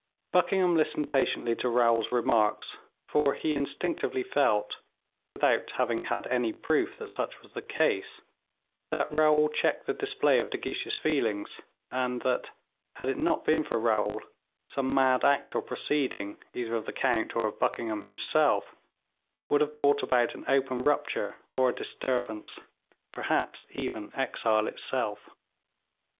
Buckingham listened patiently to Raoul's remarks, for he instinctively felt, without having had any proof that such was the case, that Raoul checked the display of De Guiche's feelings, and that, had it not been for Raoul, some mad act or proceeding, either of the count, or of Buckingham himself, would have brought about an open rupture, or a disturbance perhaps even exile itself.